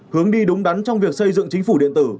hướng đi đúng đắn trong việc xây dựng chính phủ điện tử